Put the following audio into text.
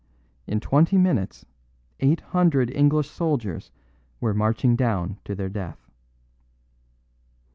In twenty minutes eight hundred English soldiers were marching down to their death."